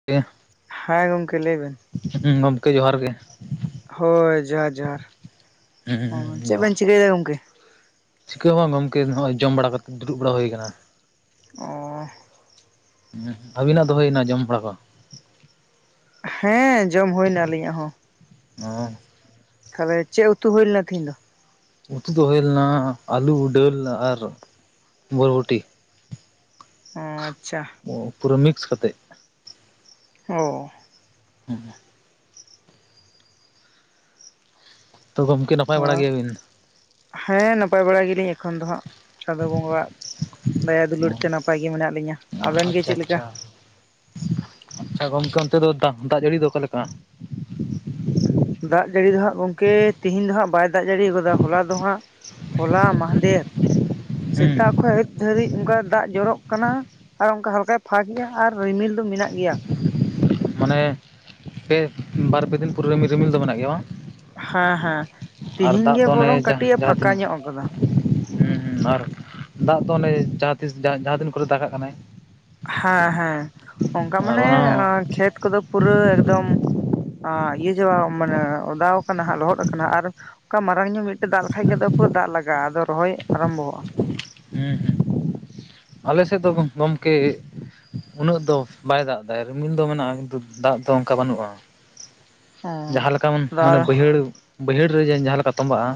[unintelligible] ᱦᱮᱸ ᱜᱚᱢᱠᱮ ᱞᱟᱹᱭ ᱵᱤᱱ [unintelligible] ᱜᱚᱢᱠᱮ ᱡᱚᱦᱟᱨ ᱜᱮ ᱦᱳᱭ ᱡᱚᱦᱟᱨ ᱡᱚᱦᱟᱨ, ᱦᱩᱸ ᱪᱮᱫ ᱡᱚᱦᱟᱨ ᱵᱤᱱ ᱪᱤᱠᱟᱹᱭᱮᱫᱟ ᱜᱚᱝᱠᱮ? ᱪᱤᱠᱟᱹ ᱦᱚᱸ ᱵᱟᱝ ᱜᱚᱝᱠᱮ ᱱᱚᱜᱼᱚᱭ ᱡᱚᱢ ᱵᱟᱲᱟ ᱠᱟᱛᱮ ᱫᱩᱲᱩᱵ ᱵᱟᱲᱟ ᱦᱳᱭ ᱠᱟᱱᱟ ᱚ ᱟᱵᱤᱱᱟᱜ ᱫᱚ ᱦᱳᱭᱱᱟ ᱡᱚᱢ ᱵᱟᱲᱟ ᱠᱚ? ᱦᱮᱸ ᱡᱚᱢ ᱦᱳᱭᱱᱟ ᱟᱹᱞᱤᱧᱟᱜ ᱦᱚᱸ ᱦᱚᱸ ᱛᱟᱦᱚᱞᱮ ᱪᱮᱫ ᱩᱛᱩ ᱦᱳᱭ ᱞᱮᱱᱟ ᱛᱤᱦᱤᱧ ᱫᱚ? ᱩᱛᱩ ᱫᱚ ᱦᱩᱭ ᱞᱮᱱᱟ ᱟᱹᱞᱩ ᱰᱟᱹᱞ ᱟᱨ ᱵᱚᱨᱵᱚᱴᱤ ᱚ ᱟᱪᱪᱷᱟ ᱚ ᱯᱩᱨᱟᱹ ᱢᱤᱠᱥ ᱠᱟᱛᱮᱫ ᱚ [inaudible] ᱛᱚ ᱜᱚᱢᱠᱮ ᱱᱟᱯᱟᱭ ᱵᱟᱲᱟ ᱜᱮᱭᱟ ᱵᱤᱱ? ᱦᱮᱸ ᱱᱟᱯᱟᱭ ᱵᱟᱲᱟ ᱜᱮᱭᱟ ᱞᱤᱧ ᱮᱠᱷᱚᱱ ᱫᱚ ᱦᱟᱸᱜ ᱪᱟᱸᱫᱚ ᱵᱚᱸᱜᱟᱣᱟᱜ ᱫᱟᱭᱟ ᱫᱩᱞᱟᱹᱲ ᱛᱮ ᱱᱟᱯᱟᱭ ᱜᱮ ᱢᱮᱱᱟᱜ ᱞᱤᱧᱟ, ᱟᱵᱮᱱ ᱜᱮ ᱟᱪᱪᱷᱟ ᱪᱮᱫ ᱞᱮᱠᱟ? ᱟᱪᱪᱷᱟ ᱟᱪᱪᱷᱟ ᱜᱚᱢᱠᱮ ᱚᱱᱛᱮ ᱫᱚ ᱫᱟ ᱫᱟᱜ ᱡᱟᱹᱲᱤ ᱫᱚ ᱚᱠᱟ ᱞᱮᱠᱟ? ᱫᱟᱜ ᱡᱟᱹᱲᱤ ᱫᱚ ᱦᱟᱸᱜ ᱜᱚᱝᱠᱮ ᱛᱤᱦᱮᱧ ᱫᱚ ᱦᱟᱸᱜ ᱵᱟᱭ ᱫᱟᱜ ᱡᱟᱹᱲᱤ ᱟᱠᱟᱫᱟ ᱦᱚᱞᱟ ᱫᱚ ᱦᱟᱸᱜ ᱦᱚᱞᱟ ᱢᱟᱦᱫᱮᱨ ᱦᱩᱸ ᱥᱮᱛᱟᱜ ᱠᱷᱚᱱ ᱟᱹᱭᱩᱵ ᱫᱷᱟᱹᱨᱤᱡ ᱚᱱᱠᱟ ᱫᱟᱜ ᱡᱚᱨᱚᱜ ᱠᱟᱱᱟ ᱟᱨ ᱚᱱᱠᱟ ᱦᱟᱞᱠᱟᱭ ᱯᱷᱟᱸᱠ ᱮᱫᱟ ᱟᱨ ᱨᱤᱢᱤᱞ ᱫᱚ ᱢᱮᱱᱟᱜ ᱜᱮᱭᱟ ᱢᱟᱱᱮ ᱯᱮ ᱵᱟᱨ ᱯᱮ ᱫᱤᱱ ᱯᱩᱨᱟᱹ ᱨᱤᱢᱤᱞ ᱨᱤᱢᱤᱞ ᱫᱚ ᱢᱮᱱᱟᱜ ᱜᱮᱭᱟ ᱵᱟᱝ? ᱦᱮᱸ ᱦᱮᱸ ᱟᱨ ᱛᱤᱦᱮᱧ ᱫᱟᱜ ᱜᱮ ᱫᱚ ᱚᱱᱮ ᱵᱚᱨᱚᱝ ᱠᱟᱹᱴᱤᱡ ᱮ ᱯᱷᱟᱠᱟ ᱧᱚᱜ ᱟᱠᱟᱫᱟ ᱦᱩ ᱦᱩ ᱟᱨ ᱫᱟᱜ ᱫᱚ ᱚᱱᱮ ᱡᱟᱦᱟᱸᱛᱤᱥ ᱡᱟᱦᱟᱸ ᱛᱤᱱ ᱠᱚᱨᱮ ᱫᱟᱜᱟᱜ ᱠᱟᱱᱟᱭ ᱦᱮᱸ ᱦᱮᱸ ᱚᱱᱠᱟ ᱟᱨ ᱢᱟᱱᱮ ᱚᱱᱟ ᱦᱚᱸ ᱠᱷᱮᱛ ᱠᱚᱫᱚ ᱯᱩᱨᱟᱹ ᱮᱠᱫᱚᱢ ᱟ ᱤᱭᱟᱹ ᱪᱟᱵᱟ ᱢᱟᱱᱮ ᱚᱫᱟᱣ ᱠᱟᱱᱟ ᱦᱟᱸᱜ ᱞᱚᱦᱚᱫ ᱟᱠᱟᱱᱟ ᱟᱨ ᱚᱱᱠᱟ ᱢᱟᱨᱟᱝ ᱧᱚᱜ ᱢᱤᱫᱴᱮᱱ ᱫᱟᱜ ᱞᱮᱠᱷᱟᱡ ᱜᱮ ᱫᱚ ᱯᱩᱨᱟᱹ ᱫᱟᱜ ᱞᱟᱜᱟᱜᱼᱟ ᱟᱫᱚ ᱨᱚᱦᱚᱭ ᱟᱨᱚᱢᱵᱷᱚᱼᱟ ᱦᱩ ᱦᱩ ᱟᱞᱮ ᱥᱮᱫ ᱫᱚ ᱜᱚ-ᱜᱚᱢᱠᱮ ᱩᱱᱟᱹᱜ ᱫᱚ ᱵᱟᱭ ᱫᱟᱜ ᱫᱟᱭ ᱨᱤᱢᱤᱞ ᱫᱚ ᱢᱮᱱᱟᱜᱼᱟ, ᱠᱤᱱᱛᱩ ᱫᱟᱜ ᱫᱚ ᱚᱱᱠᱟ ᱵᱟᱹᱱᱩᱜᱼᱟ ᱚ ᱡᱟᱦᱟᱸ ᱞᱮᱠᱟ ᱢᱟᱱᱮ ᱟᱫᱚ ᱵᱟᱹᱭᱦᱟᱹᱲ ᱵᱟᱹᱭᱦᱟᱹᱲ ᱨᱮ ᱡᱟᱦᱟᱸ ᱞᱮᱠᱟ ᱛᱚᱸᱵᱟᱜᱼᱟ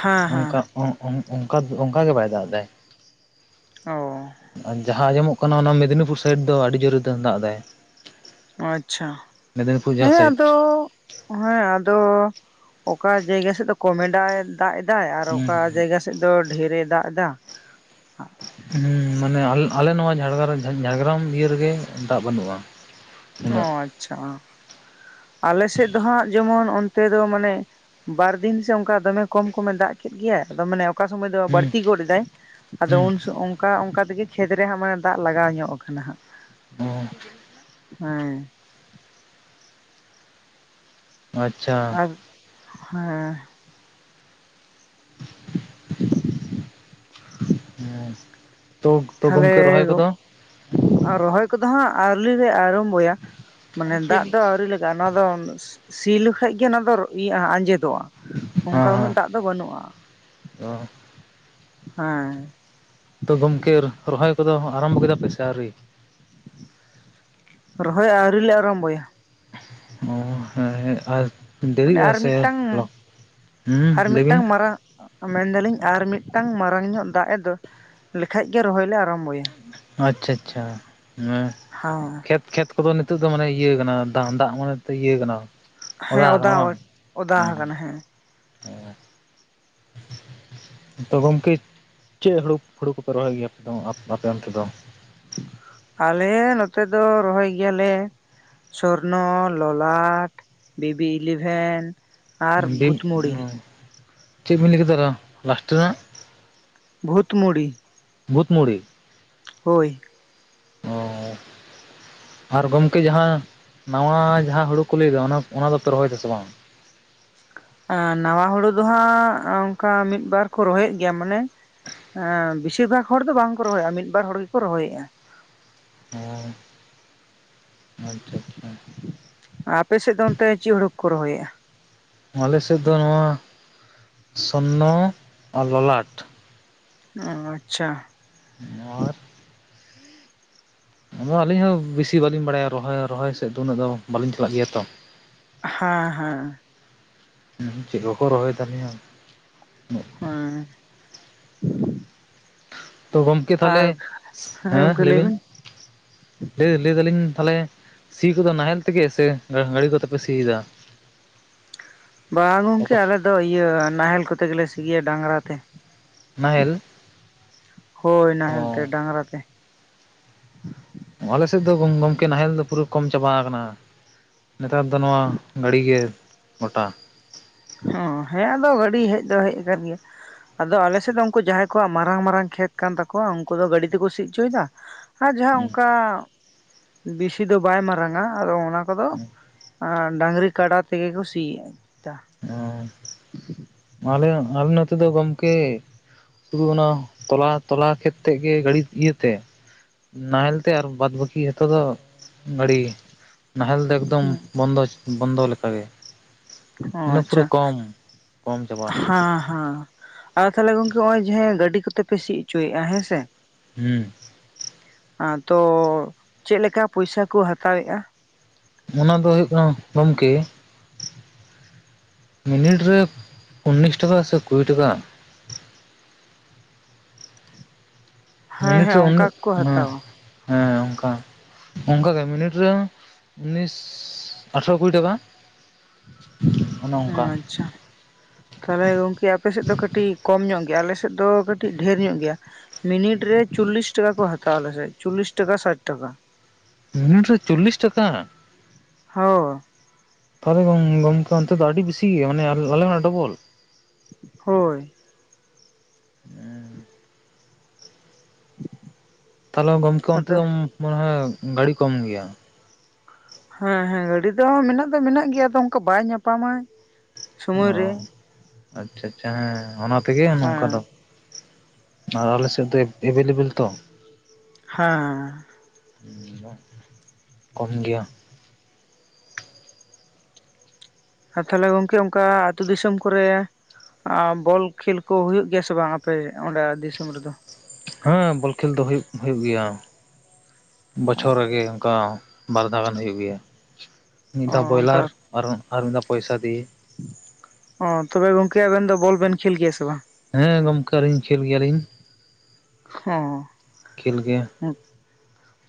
ᱦᱮᱸ ᱦᱮᱸ ᱚᱱᱠᱟ ᱚ-ᱚ ᱚᱱᱠᱟ ᱚᱱᱠᱟ ᱜᱮ ᱵᱟᱭ ᱫᱟᱜ ᱫᱟᱭ ᱚ ᱟᱨ ᱡᱟᱦᱟᱸ ᱟᱸᱡᱚᱢᱚᱜ ᱠᱟᱱᱟ ᱚᱱᱟ ᱢᱮᱫᱽᱱᱤᱯᱩᱨ ᱥᱟᱭᱤᱰ ᱫᱚ ᱟᱹᱰᱤ ᱡᱳᱨᱮ ᱫᱟᱜ ᱫᱟᱭ ᱟᱪᱪᱷᱟ ᱦᱮᱸ ᱥᱟᱭᱤᱰ ᱟᱫᱚ ᱦᱮᱸ ᱟᱫᱚ ᱚᱠᱟ ᱡᱟᱭᱜᱟ ᱥᱮᱫ ᱫᱚ ᱠᱚᱢᱮ ᱰᱟᱜ, ᱫᱟᱜ ᱮᱫᱟᱭ ᱟᱨ ᱦᱩᱸ ᱚᱠᱟ ᱡᱟᱭᱜᱟ ᱥᱮᱫ ᱥᱮᱫ ᱫᱚ ᱰᱷᱮᱨᱮ ᱫᱟᱜ ᱮᱫᱟ ᱦᱩᱸ ᱢᱟᱱᱮ ᱟᱞᱮ ᱟᱞᱮ ᱱᱚᱣᱟ ᱡᱷᱟᱲᱜᱨᱟᱢ ᱡᱷᱟᱲᱜᱨᱟᱢ ᱤᱭᱟᱹ ᱨᱮᱜᱮ ᱫᱟᱜ ᱵᱟᱹᱱᱩᱜᱼᱟ ᱚ ᱩᱱᱟᱹᱜ ᱟᱪᱪᱷᱟ ᱟᱞᱮ ᱥᱮᱫ ᱫᱚ ᱦᱟᱸᱜ ᱡᱮᱢᱚᱱ ᱚᱱᱛᱮ ᱫᱚ ᱢᱟᱱᱮ ᱵᱟᱨᱫᱤᱱ ᱥᱮ ᱚᱱᱠᱟ ᱫᱚᱢᱮ ᱠᱚᱢ ᱠᱚᱢᱮ ᱫᱟᱜ ᱠᱮᱫ ᱜᱮᱭᱟ ᱟᱫᱚ ᱢᱟᱱᱮ ᱚᱠᱟ ᱥᱚᱢᱚᱭ ᱫᱚ ᱦᱩᱸ ᱵᱟᱹᱲᱛᱤ ᱜᱚᱫ ᱮᱫᱟᱭ ᱟᱫᱚ ᱦᱩᱸ ᱩᱱ ᱥᱚ ᱚᱱᱠᱟ ᱚᱱᱠᱟ ᱛᱮᱜᱮ ᱠᱷᱮᱛ ᱨᱮ ᱦᱟᱸᱜ ᱢᱟᱱᱮ ᱫᱟᱜ ᱞᱟᱜᱟᱣ ᱧᱚᱜ ᱠᱟᱱᱟ ᱦᱩᱸ ᱦᱮᱸ ᱾ ᱟᱪᱪᱷᱟ ᱟᱨ ᱦᱮᱸ ᱾ ᱦᱮᱸ [unintelligible] ᱨᱚᱦᱚᱭ ᱠᱚᱫᱚ ᱦᱟᱸᱜ ᱟᱣᱨᱤ ᱞᱮ ᱟᱨᱚᱢᱵᱷ ᱢᱟᱱᱮ ᱫᱟᱜ ᱫᱚ ᱟᱹᱣᱨᱤ [unintelligible] ᱚᱱᱟ ᱫᱚ ᱥᱤ ᱞᱮᱠᱷᱟᱡ ᱜᱮ ᱚᱱᱟ ᱫᱚ ᱤᱭᱟᱹᱜ ᱟᱸᱡᱮᱫ ᱫᱚᱜᱼᱟ ᱚᱱᱠᱟ ᱦᱮᱸ ᱩᱱᱟᱹᱜ ᱫᱟᱜ ᱦᱮᱸ ᱫᱚ ᱵᱟᱹᱱᱩᱜᱼᱟ ᱾ [unintelligible] ᱦᱮᱸ ᱾ ᱛᱚ ᱜᱚᱢᱠᱮ ᱨᱚᱦᱚᱭ ᱠᱚᱫᱚ ᱟᱨᱟᱢᱵᱷᱚ ᱠᱮᱫᱟ ᱯᱮ ᱥᱮ ᱟᱹᱣᱨᱤ? ᱨᱚᱦᱚᱭ ᱟᱹᱣᱨᱤ ᱞᱮ ᱟᱨᱚᱢᱵᱚᱭᱟ ᱾ ᱚ ᱦᱮᱸ ᱟᱨ ᱢᱟᱱᱮ ᱫᱮᱨᱤᱜᱼᱟ ᱟᱨ ᱥᱮ ᱢᱤᱫᱴᱟᱝ [inaudible] ᱦᱩᱸ ᱟᱨ ᱞᱟᱹᱭ ᱵᱤᱱ ᱢᱤᱫᱴᱟᱝ ᱾ ᱢᱟᱨᱟᱝ ᱢᱮᱱᱫᱟᱞᱤᱧ ᱟᱨ ᱢᱤᱫᱴᱟᱝ ᱢᱟᱨᱟᱝ ᱧᱚᱜ ᱫᱟᱜ ᱮ [inaudible] ᱞᱮᱠᱷᱟᱡ ᱜᱮ ᱨᱚᱦᱚᱭ ᱞᱮ ᱟᱨᱚᱢ ᱟᱪ ᱪᱷᱟ ᱪᱷᱟ ᱦᱩᱸ ᱦᱚᱸ ᱠᱷᱮᱛ ᱠᱷᱮᱛ ᱠᱚᱫᱚ ᱱᱤᱛᱚᱜ ᱫᱚ ᱢᱟᱱᱮ ᱤᱭᱟᱹ ᱠᱟᱱᱟ [unintelligible] ᱫᱟᱜ ᱢᱟᱱᱮ ᱤᱭᱟᱹ ᱠᱟᱱᱟ ᱚᱫᱟ ᱟᱠᱟᱱᱟ ᱵᱟᱝ ᱚᱫᱟ ᱟᱠᱟᱱᱟ ᱦᱮᱸ [unintelligible] ᱛᱚ ᱜᱚᱢᱠᱮ ᱪᱮᱫ ᱦᱩᱲᱩ ᱦᱩᱲᱩ ᱠᱚᱯᱮ ᱨᱚᱦᱚᱭ ᱜᱮᱭᱟ ᱟᱯᱮ ᱚᱱ ᱛᱮ ᱫᱚ? ᱟᱞᱮ ᱱᱚᱛᱮ ᱫᱚ ᱨᱚᱦᱚᱭ ᱜᱮᱭᱟᱞᱮ ᱥᱚᱨᱱᱚ ᱞᱚᱞᱟᱴ ᱵᱤᱵᱤ ᱤᱞᱤᱵᱷᱮᱱ ᱟᱨ ᱵᱷᱩᱛᱢᱩᱲᱤ ᱾ ᱪᱮᱫ ᱵᱮᱤᱱ ᱞᱟᱹᱭ ᱠᱮᱫᱟ [unintelligible] ᱞᱟᱥᱴ ᱨᱮᱱᱟᱜ? ᱵᱷᱩᱛ ᱢᱩᱲᱤ ᱾ ᱵᱷᱩᱛ ᱢᱩᱲᱤ? ᱦᱚᱭ ᱾ ᱚ ᱟᱨ ᱜᱚᱝᱠᱮ ᱡᱟᱦᱟᱸ ᱱᱟᱣᱟ ᱡᱟᱦᱟᱸ ᱦᱩᱲᱩ ᱠᱚ ᱞᱟᱹᱭᱮᱫᱟ ᱚᱱᱟ ᱚᱱᱟ ᱫᱚᱯᱮ ᱨᱚᱦᱚᱭ ᱫᱟᱥᱮ ᱵᱟᱝ? ᱱᱟᱶᱟ ᱦᱩᱲᱩ ᱫᱚ ᱦᱟᱸᱜ ᱚᱱᱠᱟ ᱢᱤᱫᱽ ᱵᱟᱨ ᱠᱚ ᱨᱚᱦᱚᱭᱮᱫ ᱜᱮᱭᱟ ᱢᱟᱱᱮᱼᱼ [unintelligible] ᱵᱮᱥᱤᱨ ᱵᱷᱟᱜᱽ ᱦᱚᱲ ᱫᱚ ᱵᱟᱝ ᱠᱚ ᱨᱚᱦᱚᱭᱮᱫᱼᱟ ᱢᱤᱫ ᱵᱟᱨ ᱦᱚᱲ ᱜᱮᱠᱚ ᱨᱚᱦᱚᱭᱮᱜᱼᱟ ᱾ ᱚᱸ ᱟᱪ ᱪᱷᱟ ᱪᱷᱟ ᱾ ᱟᱯᱮ ᱥᱮᱫ ᱫᱚ ᱚᱱᱛᱮ ᱪᱮᱫ ᱦᱩᱲᱩ ᱠᱚᱠᱚ ᱨᱚᱦᱚᱭᱮᱜᱼᱟ? ᱟᱞᱮᱥᱮᱫ ᱫᱚ ᱱᱚᱣᱟ ᱥᱚᱨᱱᱚ, ᱟᱨ ᱞᱚᱞᱟᱴ ᱾ ᱚᱸ ᱟᱪᱪᱷᱟ ᱾ ᱟᱨ ᱟᱫᱚ ᱟᱹᱞᱤᱧ ᱦᱚᱸ ᱵᱤᱥᱤ ᱵᱟᱹᱞᱤᱧ ᱵᱟᱲᱟᱭᱟ ᱨᱚᱦᱚᱭ ᱨᱚᱦᱚᱭ ᱥᱮᱫ ᱫᱚ ᱩᱱᱟᱹᱜ ᱫᱚ ᱵᱟᱹᱞᱤᱧ ᱪᱟᱞᱟᱜ ᱜᱮᱭᱟ ᱛᱚ ᱾ ᱦᱮᱸ ᱦᱮᱸ ᱾ ᱪᱮᱫ ᱠᱚᱠᱚ ᱨᱚᱦᱚᱭ ᱛᱟᱞᱤᱧᱟ ᱾ ᱦᱮᱸ ᱾ ᱛᱚ ᱜᱚᱢᱠᱮ ᱛᱟᱦᱚᱞᱮ ᱟᱨ ᱦᱮᱸ ᱞᱟᱹᱭ ᱵᱤᱱ ᱞᱟᱹᱭ [unintelligible] ᱞᱟᱹᱭ ᱫᱟᱞᱤᱧ ᱛᱟᱦᱚᱞᱮ ᱥᱤ ᱠᱚᱫᱚ ᱱᱟᱦᱮᱞ ᱛᱮᱜᱮ ᱥᱮ ᱜᱟᱹᱲᱤ ᱠᱚᱛᱮᱯᱮ ᱥᱤ ᱮᱫᱟ? [inaudible] ᱵᱟᱝ ᱜᱚᱢᱠᱮ ᱟᱞᱮ ᱫᱚ ᱤᱭᱟᱹ ᱱᱟᱦᱮᱞ ᱠᱚᱛᱮ ᱜᱮᱞᱮ ᱥᱤ ᱜᱮᱭᱟ ᱰᱟᱝᱜᱨᱟ ᱛᱮ ᱱᱟᱦᱮᱞ ᱾ ᱦᱚᱭ ᱚ ᱱᱟᱦᱮᱞ ᱛᱮ ᱰᱟᱝᱜᱨᱟ ᱛᱮ ᱾ ᱟᱞᱮ ᱥᱮᱫ ᱫᱚ ᱜᱚᱝ ᱜᱚᱝᱠᱮ ᱱᱟᱦᱮᱞ ᱫᱚ ᱯᱩᱨᱟᱹ ᱠᱚᱢ ᱪᱟᱵᱟ ᱠᱟᱱᱟ ᱾ ᱱᱮᱛᱟᱨ ᱫᱚ ᱱᱚᱣᱟ ᱜᱟᱹᱲᱤ ᱜᱮ ᱜᱚᱴᱟ ᱾ ᱦᱚᱸ ᱦᱮᱸ ᱟᱫᱚ ᱜᱟᱹᱲᱤ ᱦᱮᱡ ᱫᱚ ᱦᱮᱡ ᱟᱠᱟᱱ ᱜᱮᱭᱟ ᱾ ᱟᱫᱚ ᱟᱞᱮ ᱥᱮᱫ ᱫᱚ ᱩᱱᱠᱩ ᱡᱟᱦᱟᱸᱭ ᱠᱚᱣᱟᱜ ᱢᱟᱨᱟᱝ ᱢᱟᱨᱟᱝ ᱠᱷᱮᱛ ᱠᱟᱱ ᱛᱟᱠᱚᱣᱟ ᱩᱱᱠᱩ ᱫᱚ ᱜᱟᱹᱲᱤ ᱛᱮᱠᱚ ᱥᱤ ᱦᱚᱪᱚᱭᱫᱟ ᱟᱨ ᱡᱟᱦᱟᱸ ᱚᱱᱠᱟ ᱵᱤᱥᱤ ᱫᱚ ᱵᱟᱭ ᱢᱟᱨᱟᱝᱟ ᱟᱫᱚ ᱚᱱᱟ ᱠᱚᱫᱚ ᱰᱟᱹᱟᱝᱜᱨᱤ ᱠᱟᱰᱟ ᱛᱮᱜᱮ ᱠᱚ ᱥᱤᱭᱟ ᱾ ᱚ ᱟᱞᱮ ᱟᱞᱮ ᱱᱚᱛᱮ ᱫᱚ ᱜᱚᱢᱠᱮ ᱥᱩᱫᱷᱩ ᱚᱱᱟ ᱛᱚᱞᱟ ᱛᱚᱞᱟ ᱠᱷᱮᱛ ᱛᱮ ᱜᱮ ᱜᱟᱹᱲ ᱤᱭᱟᱹᱛᱮ ᱱᱟᱦᱮᱞ ᱛᱮ ᱟᱨ ᱵᱟᱫᱽ ᱵᱟᱹᱠᱤ ᱡᱚᱛᱚ ᱫᱚ ᱜᱟᱹᱲᱤ ᱾ ᱱᱟᱦᱮᱞ ᱫᱚ ᱮᱠᱫᱚᱢ ᱦᱩᱸ ᱵᱚᱱᱫᱚ ᱵᱚᱱᱫᱚ ᱞᱮᱠᱟᱜᱮ ᱚ ᱢᱟᱱᱮ ᱯᱩᱨᱟᱹ ᱟᱪᱷᱟ ᱠᱚᱢ ᱠᱚᱢ ᱪᱟᱵᱟ ᱦᱟᱸ ᱦᱟᱸ ᱟᱨ ᱛᱟᱦᱚᱞᱮ ᱜᱚᱝᱠᱮ ᱱᱚᱜ ᱚᱭ ᱡᱟᱦᱟ ᱜᱟᱹᱰᱤ ᱠᱚᱛᱮ ᱯᱮ ᱥᱤ ᱚᱪᱚᱭᱮᱼᱟ ᱦᱮᱸᱥᱮ ᱦᱩᱸ [inaudible] ᱟᱫᱚ ᱪᱮᱫ ᱞᱮᱠᱟ ᱯᱚᱭᱥᱟ ᱠᱚ ᱦᱟᱛᱟᱣᱮᱼᱟ ᱚᱱᱟ ᱫᱚ ᱦᱩᱭᱩᱜ ᱠᱟᱱᱟ ᱜᱚᱢᱠᱮ ᱢᱤᱱᱤᱴ ᱨᱮ ᱩᱱᱤᱥ ᱴᱟᱠᱟ ᱥᱮ ᱠᱩᱲᱤ ᱴᱟᱠᱟ ᱦᱮᱸ ᱢᱮᱱᱤᱛ ᱦᱮᱸ ᱩᱱ ᱚᱱᱠᱟ ᱜᱮᱠᱚ ᱦ ᱦᱟᱛᱟᱣᱟ ᱦᱮᱸ ᱚᱱᱠᱟ ᱚᱱᱠᱟᱴᱟᱜᱮ ᱢᱤᱱᱤᱴ ᱨᱮ ᱩᱱᱤᱥ ᱟᱴᱷᱮᱨᱚ ᱠᱩᱲᱤ ᱴᱟᱠᱟ ᱚᱱᱮ ᱚᱱᱠᱟ ᱟᱸᱪᱷᱟ ᱛᱟᱦᱚᱞᱮ ᱜᱚᱝᱠᱮ ᱟᱯᱮ ᱥᱮᱫ ᱫᱚ ᱠᱟᱹᱴᱤᱡ ᱠᱚᱢ ᱧᱚᱜ ᱜᱮᱭᱟ ᱟᱞᱮ ᱥᱮᱫ ᱫᱚ ᱠᱟᱹᱴᱤᱡ ᱰᱷᱮᱨ ᱧᱚᱜ ᱜᱮᱭᱟ ᱢᱤᱱᱤᱴ ᱨᱮ ᱪᱩᱞᱞᱤᱥ ᱴᱟᱠᱟ ᱠᱚ ᱦᱟᱛᱣᱟ ᱟᱞᱮᱥᱮ ᱪᱚᱞᱞᱤᱥ ᱴᱟᱠᱟ ᱥᱟᱴ ᱴᱟᱠᱟ ᱢᱤᱱᱤᱴ ᱨᱮ ᱪᱩᱞᱞᱤᱥ ᱴᱟᱠᱟ ᱦᱳ ᱛᱟᱦᱚᱞᱮ ᱜᱚᱝᱠᱮ ᱚᱱᱛᱮ ᱫᱚ ᱟᱹᱰᱤ ᱵᱮᱥᱤ ᱜᱮᱭᱟ ᱢᱟᱱᱮ ᱟᱞᱮ ᱚᱱᱟ ᱰᱚᱵᱚᱞ ᱦᱳᱭ [inaudible] ᱛᱟᱦᱚᱞᱮ ᱜᱚᱢᱠᱮ ᱚᱱᱛᱮ ᱟᱫᱚ ᱫᱚ ᱢᱚᱱᱮ ᱜᱟᱹᱰᱤ ᱠᱚᱢ ᱜᱮᱭᱟ ᱦᱮᱸ ᱦᱮᱸ ᱜᱟᱹᱰᱤ ᱫᱚ ᱢᱮᱱᱟᱜ ᱫᱚ ᱢᱮᱱᱟᱜ ᱜᱮᱭᱟ ᱟᱫᱚ ᱚᱱᱠᱟ ᱵᱟᱭ ᱧᱟᱯᱟᱢᱟ ᱳ ᱥᱚᱢᱚᱭ ᱨᱮ ᱟᱪᱷᱟ ᱟᱪᱷᱟ ᱦᱮᱸ ᱚᱱᱟ ᱛᱮᱜᱮ ᱱᱚᱝᱠᱟ ᱫᱚ ᱦᱮᱸ ᱟᱨ ᱟᱞᱮ ᱥᱮᱫ ᱫᱚ ᱮᱵᱮᱞᱮᱵᱮᱞ ᱛᱚ ᱦᱮᱸ ᱠᱚᱢ ᱜᱮᱭᱟ ᱟᱨ ᱛᱟᱦᱚᱞᱮ ᱜᱚᱢᱠᱮ ᱚᱱᱠᱟ ᱟᱹᱛᱩᱳ ᱫᱤᱥᱚᱢ ᱠᱚᱨᱮ ᱵᱚᱞ ᱠᱷᱮᱞ ᱠᱚ ᱦ ᱦᱩᱭᱩᱜ ᱜᱮᱭᱟ ᱥᱮ ᱵᱟᱝ ᱟᱯᱮ ᱚᱸᱰᱮ ᱫᱤᱥᱚᱢ ᱨᱮᱫᱚ ᱦᱮᱸ ᱵᱚᱞ ᱠᱷᱮᱞ ᱫᱚ ᱦᱩᱭᱩᱜ ᱦᱩᱭᱩᱜ ᱜᱮᱭᱟ ᱵᱚᱪᱷᱚᱨ ᱨᱮᱜᱮ ᱚᱱᱠᱟ ᱵᱟᱨ ᱫᱷᱟᱣ ᱜᱟᱱ ᱦᱩᱭᱩᱜ ᱜᱮᱭᱟ ᱢᱤᱫ ᱚ ᱫᱷᱟᱣ ᱚᱱᱠᱟ ᱵᱚᱭᱞᱟᱨ ᱟᱨ ᱢᱤᱫ ᱫᱷᱟᱣ ᱯᱚᱭᱥᱟ ᱫᱤᱭᱮ ᱳ ᱛᱚᱵᱮ ᱜᱚᱝᱠᱮ ᱟᱵᱮᱱ ᱫᱚ ᱵᱚᱞ ᱵᱮᱱ ᱠᱷᱮᱞ ᱜᱮᱭᱟ ᱥᱮ ᱵᱟᱝ? ᱦᱮᱸ ᱜᱚᱝᱠᱮ ᱟᱹᱞᱤᱧ ᱠᱷᱮᱞ ᱜᱮᱭᱟᱞᱤᱧ ᱦᱳᱸ ᱠᱷᱮᱞ ᱜᱮ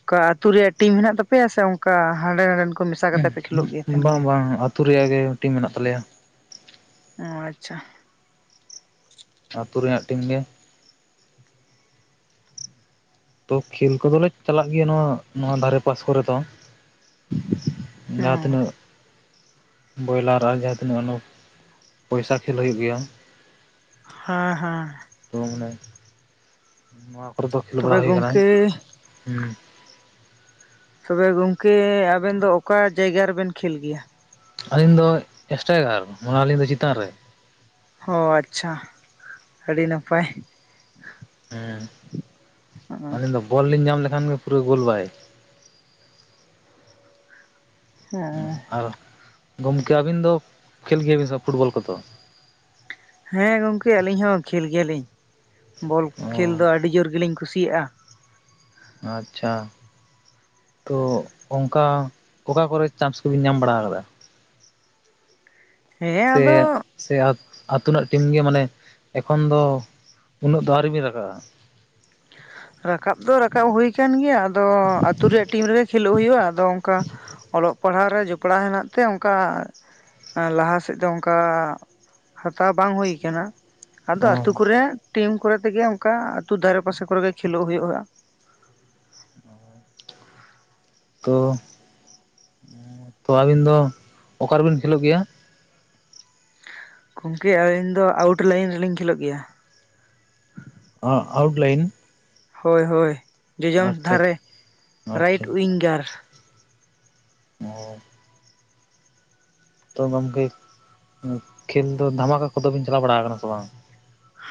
ᱚᱱᱠᱟ ᱟᱹᱛᱩ ᱨᱮᱭᱟᱜ ᱴᱤᱢ ᱦᱮᱱᱟᱜ ᱛᱟᱯᱮᱭᱟ ᱥᱮ ᱚᱱᱠᱟ ᱦᱟᱸᱰᱮ ᱱᱟᱰᱮᱱ ᱠᱚ ᱢᱮᱥᱟ ᱠᱟᱛᱮ ᱯᱮ ᱠᱷᱮᱞᱳᱜ ᱜᱮ ᱛᱟᱦᱮᱱ ᱵᱟᱝ ᱜᱮᱭᱟ? ᱵᱟᱝ ᱟᱹᱛᱩ ᱨᱮᱭᱟᱜ ᱜᱮ ᱴᱤᱢ ᱢᱮᱱᱟᱜ ᱛᱟᱞᱮᱭᱟ ᱳᱸ ᱟᱪᱷᱟ ᱟᱹᱛᱩ ᱨᱮᱭᱟᱜ ᱴᱤᱢ ᱜᱮ ᱛᱚ ᱠᱷᱮᱞ ᱠᱚᱫᱚᱞᱮ ᱪᱟᱞᱟᱜ ᱜᱮᱭᱟ ᱱᱚᱣᱟ ᱱᱚᱣᱟ ᱫᱷᱟᱨᱮ ᱯᱟᱥ ᱠᱚᱨᱮ ᱫᱚ ᱚ ᱡᱟᱦᱟᱸ ᱛᱤᱱᱟᱹᱜ ᱵᱚᱭᱞᱟᱨ ᱟᱨ ᱡᱟᱦᱟᱸ ᱛᱤᱱᱟᱹᱜ ᱯᱚᱭᱥᱟ ᱠᱷᱮᱞ ᱦᱩᱭᱩᱜ ᱜᱮᱭᱟ ᱦᱮᱸ ᱦᱮᱸ ᱛᱚ ᱢᱟᱱᱮ ᱱᱚᱣᱟ ᱠᱚᱨᱮ ᱫᱚ ᱠᱷᱮᱞ ᱛᱚᱵᱮ ᱵᱟᱲᱟ ᱦᱩᱭ ᱟᱠᱟᱱᱟ ᱜᱚᱝᱠᱮ ᱛᱚᱵᱮ ᱜᱚᱝᱠᱮ ᱟᱵᱮᱱ ᱫᱚ ᱚᱠᱟ ᱡᱟᱭᱜᱟ ᱨᱮᱵᱮᱱ ᱠᱷᱮᱞ ᱜᱮᱭᱟ? ᱟᱹᱞᱤᱧ ᱫᱚ ᱮᱥᱴᱟᱭᱜᱟᱨ ᱢᱟᱱᱮ ᱟᱹᱞᱤᱧ ᱫᱚ ᱪᱮᱛᱟᱱ ᱨᱮ ᱚ ᱟᱪᱷᱟ ᱟᱹᱰᱤ ᱱᱟᱯᱟᱭ ᱦᱮᱸ ᱦᱚᱸᱜᱼᱚᱭ ᱟᱹᱞᱤᱧ ᱫᱚ ᱵᱳᱞ ᱞᱤᱧ ᱧᱟᱢ ᱞᱮᱠᱷᱟᱱ ᱜᱮ ᱯᱩᱨᱟᱹ ᱜᱳᱞ ᱵᱟᱭ ᱦᱮᱸ ᱟᱨ ᱜᱚᱢᱠᱮ ᱟᱹᱵᱤᱱ ᱫᱚ ᱠᱷᱮᱞ ᱜᱮᱭᱟ ᱵᱤᱱ ᱥᱮ ᱯᱷᱩᱴᱵᱳᱞ ᱠᱚᱫᱚᱚ? ᱦᱮᱸ ᱜᱚᱝᱠᱮ ᱟᱹᱞᱤᱧ ᱦᱚᱸ ᱠᱷᱮᱞ ᱜᱮᱭᱟᱞᱤᱧ ᱵᱳᱞ ᱚ ᱠᱷᱮᱞ ᱫᱚ ᱟᱹᱰᱤ ᱡᱳᱨ ᱜᱮᱞᱤᱧ ᱠᱩᱥᱤᱭᱟᱜᱼᱟ ᱟᱪᱷᱟ ᱛᱚ ᱚᱱᱠᱟ ᱚᱠᱟ ᱠᱚᱨᱮ ᱪᱟᱱᱥ ᱠᱚᱵᱤᱱ ᱧᱟᱢ ᱵᱟᱲᱟ ᱟᱠᱟᱫᱟ ᱦᱮᱸ ᱟᱫᱚ ᱥᱮᱭᱚᱛ, ᱟᱛᱳᱱᱟᱜ ᱴᱤᱢ ᱜᱮ ᱢᱟᱱᱮ ᱮᱠᱷᱚᱱ ᱫᱚ ᱩᱱᱟᱹᱜ ᱫᱚ ᱟᱹᱣᱨᱤᱵᱤᱱ ᱨᱟᱠᱟᱵᱼᱟ᱾ ᱨᱟᱠᱟᱵ ᱫᱚ ᱨᱟᱠᱟᱵ ᱦᱩᱭ ᱟᱠᱟᱱ ᱜᱮᱭᱟ ᱟᱫᱚ ᱟᱹᱛᱩ ᱨᱮᱭᱟᱜ ᱴᱤᱢ ᱨᱮᱜᱮ ᱠᱷᱮᱞᱳᱜ ᱦᱩᱭᱩᱜᱼᱟ᱾ ᱟᱫᱚ ᱚᱝᱠᱟ ᱚᱞᱚᱜ ᱯᱟᱲᱦᱟᱜ ᱨᱮ ᱡᱚᱯᱲᱟᱣ ᱦᱮᱱᱟᱜ ᱛᱮ ᱚᱝᱠᱟ ᱞᱟᱦᱟ ᱥᱮᱫ ᱫᱚ ᱚᱝᱠᱟ ᱦᱟᱛᱟᱣ ᱵᱟᱝ ᱦᱩᱭ ᱠᱟᱱᱟ᱾ ᱟᱫᱚ ᱚ ᱟᱹᱛᱩ ᱠᱚᱨᱮ ᱴᱤᱢ ᱠᱚᱨᱮ ᱛᱮᱜᱮ ᱚᱝᱠᱟ ᱟ ᱟᱹᱛᱩ ᱫᱷᱟᱨᱮ ᱯᱟᱥᱮ ᱠᱚᱨᱮᱜᱮ ᱠᱷᱮᱞᱳᱜ ᱦᱩᱭᱩᱜ-ᱟ᱾ ᱦᱩᱸ᱾ ᱛᱚ, ᱛᱚ, ᱟᱹᱵᱤᱱ ᱫᱚ ᱚᱠᱟ ᱨᱮᱵᱤᱱ ᱠᱷᱮᱞᱳᱜ ᱜᱮᱭᱟ? ᱜᱚᱝᱠᱮ ᱟᱹᱞᱤᱧ ᱫᱚ ᱟᱣᱩᱴ ᱞᱟᱭᱤᱱ ᱨᱮᱞᱤᱧ ᱠᱷᱮᱞᱳᱜ ᱜᱮᱭᱟ᱾ ᱚ, ᱟᱹᱣᱩᱴ ᱞᱟᱭᱤᱱ? ᱦᱳᱭ ᱦᱳᱭ, ᱡᱚᱡᱚᱢ ᱟᱪᱪᱷᱟ ᱫᱷᱟᱨᱮ ᱨᱟᱭᱤᱴ ᱟᱪᱪᱷᱟ ᱩᱭᱤᱝᱜᱟᱨ᱾ ᱚ ᱛᱚ, ᱜᱚᱝᱠᱮ ᱠᱷᱮᱹᱞ ᱫᱚ ᱫᱷᱟᱢᱟᱠᱟ ᱠᱚᱫᱚ ᱵᱤᱱ ᱪᱟᱞᱟᱣ ᱵᱟᱲᱟ ᱟᱠᱟᱱᱟ ᱥᱮ ᱵᱟᱝ?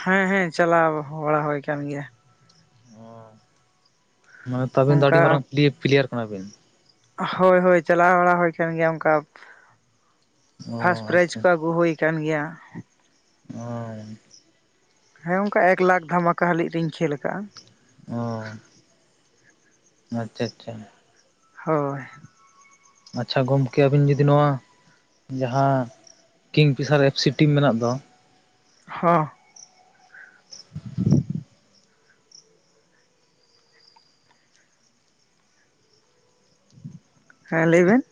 ᱦᱮᱸ ᱦᱮᱸ ᱪᱟᱞᱟᱣ ᱵᱟᱲᱟ ᱦᱩᱭ ᱠᱟᱱ ᱜᱮᱭᱟ᱾ ᱚ, ᱢᱟᱱᱮ ᱛᱚ ᱟᱹᱵᱤᱱ ᱫᱚ ᱟᱹᱰᱤ ᱢᱟᱨᱟᱝ ᱚᱱᱠᱟ ᱯᱞᱤ ᱯᱞᱮᱭᱟᱨ ᱠᱟᱱᱟᱵᱤᱱ᱾ ᱦᱳᱭ ᱦᱳᱭ, ᱪᱟᱞᱟᱣ ᱵᱟᱲᱟ ᱦᱩᱭ ᱟᱠᱟᱱ ᱜᱮᱭᱟ ᱚᱝᱠᱟ ᱯᱷᱟᱥᱴ ᱚ ᱯᱨᱟᱭᱤᱡᱽ ᱠᱚ ᱟᱪᱪᱷᱟ ᱟᱹᱜᱩ ᱦᱩᱭ ᱠᱟᱱ ᱜᱮᱭᱟ᱾ ᱦᱩᱸ ᱦᱮᱸ ᱚᱝᱠᱟ ᱮᱠ ᱞᱟᱠᱷ ᱫᱷᱟᱢᱟᱠᱟ ᱦᱟᱹᱞᱤᱡ ᱨᱤᱧ ᱠᱷᱮᱹᱞ ᱟᱠᱟᱜ-ᱟ᱾ ᱚ ᱟᱪᱪᱷᱟ ᱟᱪᱪᱷᱟ᱾ ᱦᱳᱭ᱾ ᱟᱪᱪᱷᱟ, ᱜᱚᱢᱠᱮ ᱟᱵᱤᱱ ᱡᱩᱫᱤ ᱱᱚᱣᱟ ᱡᱟᱦᱟᱸ ᱠᱤᱝ ᱯᱷᱤᱥᱟᱨ ᱮᱯᱷᱥᱤ ᱴᱤᱢ ᱢᱮᱱᱟᱜ ᱫᱚ ᱦᱚᱸ [inaudible] ᱦᱮᱸ, ᱞᱟᱹᱭ ᱵᱮᱱ᱾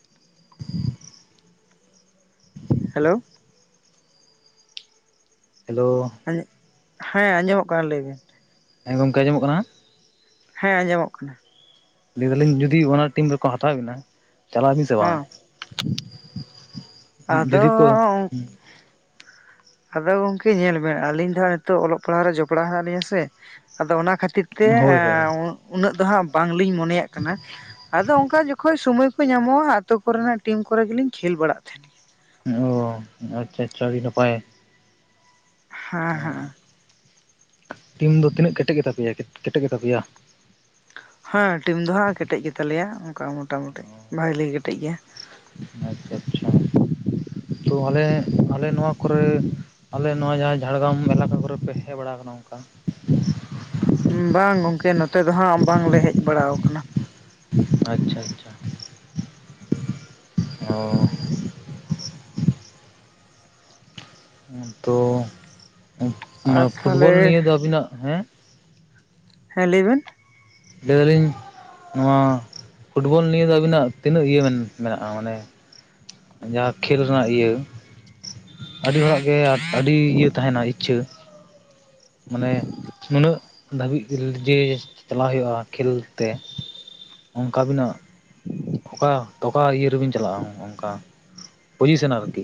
ᱦᱮᱞᱳ᱾ ᱦᱮᱞᱳ᱾ ᱮᱸᱜ, ᱦᱮᱸ ᱟᱸᱡᱚᱢᱚᱜ ᱠᱟᱱᱟ ᱞᱟᱹᱭ ᱵᱤᱱ᱾ ᱦᱮᱸ ᱜᱚᱝᱠᱮ ᱟᱸᱡᱚᱢᱚᱜ ᱠᱟᱱᱟ? ᱦᱮᱸ ᱟᱸᱡᱚᱢᱚᱜ ᱠᱟᱱᱟ᱾ ᱞᱟᱹᱭ ᱫᱟᱞᱤᱧ ᱡᱩᱫᱤ ᱚᱱᱟ ᱴᱤᱢ ᱨᱮᱠᱚ ᱦᱟᱛᱟᱣ ᱵᱤᱱᱟ ᱪᱟᱞᱟᱜ-ᱟᱵᱤᱱ ᱥᱮ ᱵᱟᱝ? ᱦᱚᱸ [inaudible] ᱟᱫᱚᱻ ᱠᱚ ᱟᱫᱚ ᱜᱚᱝᱠᱮ ᱧᱮᱞ ᱵᱮᱱ ᱟᱹᱞᱤᱧ ᱫᱚ ᱦᱟᱸᱜ ᱱᱤᱛᱳᱜ ᱚᱞᱚᱜ ᱯᱟᱲᱦᱟᱜ ᱨᱮ ᱡᱚᱯᱲᱟᱣ ᱦᱮᱱᱟᱜ ᱞᱤᱧᱟᱹ ᱥᱮ᱾ ᱟᱫᱚ ᱚᱱᱟ ᱠᱷᱟᱹᱛᱤᱨ ᱛᱮ ᱦᱳᱭ ᱦᱳᱭ ᱮᱸᱻ ᱩᱱᱟᱹᱜ ᱫᱚ ᱦᱟᱸᱜ ᱵᱟᱝᱞᱤᱧ ᱢᱚᱱᱮᱭᱟᱜ ᱠᱟᱱᱟ᱾ ᱟᱫᱚ ᱚᱝᱠᱟ ᱡᱚᱠᱷᱚᱡ ᱥᱚᱢᱚᱭ ᱠᱚ ᱧᱟᱢᱚᱜ-ᱟ ᱟᱹᱛᱳ ᱠᱚᱨᱮᱱᱟᱜ ᱴᱤᱢ ᱠᱚᱨᱮ ᱜᱮᱞᱤᱧ ᱠᱷᱮᱹᱞ ᱵᱟᱲᱟᱜ ᱛᱟᱸᱦᱮᱱ ᱜᱮᱭᱟ᱾ ᱚ, ᱟᱪᱪᱷᱟ ᱟᱪᱪᱷᱟ ᱟᱹᱰᱤ ᱱᱟᱯᱟᱭ᱾ ᱦᱮᱸ ᱚ, ᱦᱮᱸ ᱴᱤᱢ ᱫᱚ ᱛᱤᱱᱟᱹᱜ ᱠᱮᱴᱮᱡ ᱜᱮᱛᱟᱯᱮᱭᱟ, ᱠᱮᱴᱮᱡ ᱜᱮᱛᱟ ᱯᱮᱭᱟ? ᱦᱮᱸ ᱴᱤᱢ ᱫᱚ ᱦᱟᱸᱜ ᱠᱮᱴᱮᱡ ᱜᱮᱛᱟᱞᱮᱭᱟ ᱚᱱᱠᱟ ᱢᱚᱴᱟ ᱢᱩᱴᱤ ᱵᱷᱟᱞᱤ ᱠᱮᱴᱮᱡ ᱜᱮᱭᱟ᱾ ᱟᱪᱪᱷᱟ ᱟᱪᱪᱷᱟ ᱛᱚ, ᱟᱞᱮ ᱟᱞᱮ ᱱᱚᱣᱟ ᱠᱚᱨᱮ ᱟᱞᱮ ᱱᱚᱣᱟ ᱡᱟᱦᱟᱸ ᱡᱷᱟᱲᱜᱨᱟᱢ ᱢᱮᱞᱟ ᱢᱮᱞᱟ ᱠᱚᱨᱮᱯᱮ ᱦᱮᱡ ᱵᱟᱲᱟ ᱟᱠᱟᱱᱟ ᱚᱱᱠᱟ? ᱵᱟᱝ ᱜᱚᱝᱠᱮ ᱱᱚᱛᱮ ᱫᱚ ᱦᱟᱸᱜ ᱵᱟᱝᱞᱮ ᱦᱮᱡ ᱵᱟᱲᱟᱣ ᱠᱟᱱᱟ᱾ ᱟᱪᱪᱷᱟ ᱟᱪᱪᱷᱟ, ᱚ ᱛᱚ, ᱱᱚᱣᱟ ᱟᱨ ᱯᱷᱩᱴᱵᱚᱞ ᱛᱟᱦᱚᱞᱮ ᱱᱤᱭᱟᱹ ᱫᱚ ᱟᱵᱤᱱᱟᱜ ᱦᱮᱸ ᱦᱮᱸ ᱞᱟᱹᱭ ᱵᱤᱱ᱾ ᱞᱟᱹᱭ ᱫᱟᱞᱤᱧ ᱱᱚᱣᱟ ᱯᱷᱩᱴᱵᱚᱞ ᱱᱤᱭᱟᱹ ᱫᱚ ᱟᱵᱤᱱᱟᱜ ᱛᱤᱱᱟᱹᱜ ᱤᱭᱟᱹ ᱢᱮᱱ ᱢᱮᱱᱟᱜ-ᱟ ᱢᱟᱱᱮ? ᱡᱟᱦᱟᱸ ᱠᱷᱮᱹᱞ ᱨᱮᱱᱟᱜ ᱤᱭᱟᱹ ᱟᱹᱰᱤ ᱦᱚᱲᱟᱜ ᱜᱮ ᱟᱹᱰᱤ ᱤᱭᱟᱹ ᱛᱟᱦᱮᱱᱟ ᱤᱪᱪᱷᱟᱹ ᱢᱟᱱᱮ ᱱᱩᱱᱟᱹᱜ ᱫᱷᱟᱹᱵᱤᱡ ᱡᱮ ᱪᱟᱞᱟᱣ ᱦᱩᱭᱩᱜ-ᱟ ᱠᱷᱮᱞ ᱛᱮ᱾ ᱚᱱᱠᱟ ᱵᱤᱱᱟᱜ᱾ ᱚᱠᱟᱼᱼ ᱚᱠᱟ ᱤᱭᱟᱹ ᱨᱮᱵᱮᱱ ᱪᱟᱞᱟᱜ-ᱟ, ᱚᱱᱠᱟ ᱯᱚᱡᱤᱥᱮᱱ ᱟᱨᱠᱤ᱾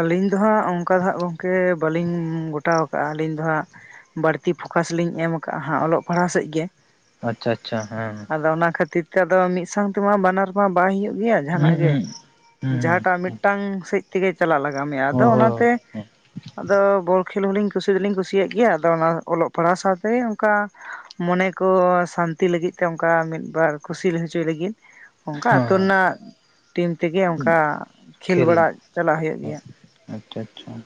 ᱟᱹᱞᱤᱧ ᱫᱚ ᱦᱟᱸᱜ ᱚᱱᱠᱟ ᱫᱚ ᱦᱟᱸᱜ ᱜᱚᱝᱠᱮ ᱵᱟᱹᱞᱤᱧ ᱜᱚᱴᱟᱣ ᱟᱠᱟᱜ-ᱟ ᱟᱹᱞᱤᱧ ᱫᱚ ᱦᱟᱸᱜᱼᱼ ᱵᱟᱹᱲᱛᱤ ᱯᱷᱳᱠᱟᱥ ᱞᱤᱧ ᱮᱢ ᱟᱠᱟᱜ-ᱟ ᱦᱟᱸᱜ ᱚᱞᱚᱜ ᱯᱟᱲᱦᱟᱜ ᱥᱮᱫ ᱜᱮ᱾ ᱟᱪᱪᱷᱟ ᱟᱪᱪᱷᱟ ᱦᱮᱸ᱾ ᱟᱫᱚ ᱚᱱᱟ ᱠᱷᱟᱛᱤᱨ ᱛᱮ ᱟᱫᱚ ᱢᱤᱫ ᱥᱟᱶ ᱛᱮᱢᱟ ᱵᱟᱱᱟᱨ ᱢᱟ ᱵᱟᱭ ᱦᱩᱭᱩᱜ ᱜᱮᱭᱟ ᱡᱟᱦᱟᱱᱟᱜ ᱦᱮᱸ ᱜᱮ ᱦᱩᱸ ᱦᱩᱸ ᱡᱟᱦᱟᱸᱴᱟᱜ ᱦᱩᱸ ᱢᱤᱫᱴᱟᱝ ᱥᱮᱡ ᱛᱮᱜᱮ ᱪᱟᱞᱟᱜ ᱞᱟᱜᱟᱣ ᱢᱮᱭᱟ, ᱟᱫᱚ ᱦᱳᱭ ᱚᱱᱟᱛᱮ ᱦᱳᱭ ᱟᱫᱚ ᱵᱚᱞ ᱠᱷᱮᱞ ᱦᱚᱸᱞᱤᱧ ᱠᱩᱥᱤ ᱫᱚᱞᱤᱧ ᱠᱩᱥᱤᱭᱟᱜ ᱜᱮᱭᱟ ᱟᱫᱚ ᱚᱱᱟ ᱚᱞᱚᱜ ᱯᱟᱲᱦᱟᱣ ᱥᱟᱶᱛᱮ ᱜᱮ ᱚᱱᱠᱟ ᱢᱚᱱᱮ ᱠᱚ ᱥᱟᱱᱛᱤ ᱞᱟᱹᱜᱤᱫ ᱛᱮ ᱚᱱᱠᱟ ᱢᱤᱫᱵᱟᱨ ᱠᱩᱥᱤ ᱦᱚᱪᱚᱭ ᱞᱟᱹᱜᱤᱫ᱾ ᱚᱱᱠᱟ ᱟᱹᱛᱳ ᱦᱮᱸ ᱨᱮᱱᱟᱜ ᱴᱤᱢ ᱛᱮᱜᱮ ᱚᱱᱠᱟ ᱠᱷᱮᱞ ᱵᱟᱲᱟ ᱪᱟᱞᱟᱜ ᱦᱩᱭᱩᱜ ᱜᱮᱭᱟ᱾ ᱟᱪᱪᱷᱟ ᱟᱪᱪᱷᱟ᱾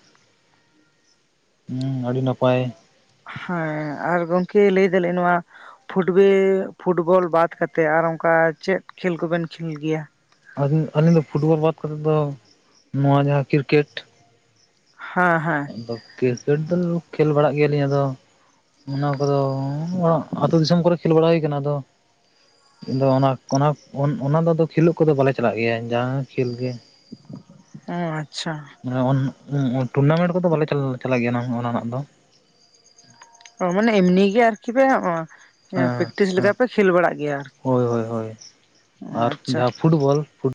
ᱦᱩᱸ ᱟᱹᱰᱤ ᱱᱟᱯᱟᱭ᱾ ᱦᱮᱸ ᱟᱨ ᱜᱚᱢᱠᱮ ᱞᱟᱹᱭ ᱫᱟᱞᱤᱧ ᱱᱚᱣᱟ᱾ ᱯᱷᱩᱴᱵᱮ ᱯᱷᱩᱴᱵᱚᱞ ᱵᱟᱫᱽ ᱠᱟᱛᱮ ᱟᱨ ᱚᱱᱠᱟ ᱪᱮᱫ ᱠᱷᱮᱞ ᱠᱚᱵᱮᱱ ᱠᱷᱮᱞ ᱜᱮᱭᱟ? ᱟᱹᱞᱤᱧ ᱫᱚ ᱯᱷᱩᱴᱵᱚᱞ ᱵᱟᱫ ᱠᱟᱛᱮᱫ ᱫᱚ ᱱᱚᱣᱟ ᱡᱟᱦᱟᱸ ᱠᱨᱤᱠᱮᱴ᱾ ᱦᱮᱸ ᱦᱮᱸ᱾ ᱟᱫᱚ ᱠᱨᱤᱠᱮᱴ ᱫᱚ ᱠᱷᱮᱞ ᱵᱟᱲᱟᱜ ᱜᱮᱭᱟ ᱞᱤᱧ ᱟᱫᱚ ᱚᱱᱟ ᱠᱚᱫᱚ ᱟᱹᱛᱩ ᱫᱤᱥᱚᱢ ᱠᱚᱨᱮ ᱠᱷᱮᱞ ᱵᱟᱲᱟ ᱦᱩᱭ ᱠᱟᱱᱟ, ᱟᱫᱚᱼᱼ ᱟᱫᱚ ᱚᱱᱟ ᱚᱱᱟ ᱚᱱᱟ ᱫᱚ ᱠᱷᱮᱞᱳᱜ ᱠᱚᱫᱚ ᱵᱟᱞᱮ ᱪᱟᱞᱟᱜ ᱜᱮᱭᱟ ᱡᱟᱦᱟᱸ ᱠᱷᱮᱞ ᱜᱮ᱾ ᱚ ᱟᱪᱪᱷᱟ᱾ ᱚᱱ ᱚ ᱴᱩᱨᱱᱟᱢᱮᱱᱴ ᱠᱚᱫᱚ ᱵᱟᱞᱮ ᱪᱟᱞᱟ ᱪᱟᱞᱟᱜ ᱜᱮᱭᱟ ᱚᱱᱟ ᱨᱮᱱᱟᱜ ᱫᱚ᱾ ᱚ ᱢᱟᱱᱮ ᱮᱢᱱᱤ ᱜᱮ ᱟᱨ ᱠᱤ ᱯᱮ ᱚᱼᱼ ᱦᱮᱸ ᱯᱮᱠᱴᱤᱥ ᱞᱮᱠᱟ ᱯᱮ ᱠᱷᱮᱞ ᱵᱟᱲᱟᱜ ᱜᱮᱭᱟ ᱟᱨᱠᱤ ᱦᱳᱭ ᱦᱳᱭ ᱦᱳᱭ ᱚ ᱟᱨ ᱟᱪᱪᱷᱟ᱾ ᱡᱟᱦᱟᱸ ᱯᱷᱩᱴᱵᱚᱞ ᱯᱷᱩᱴᱼᱼ